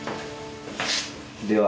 では。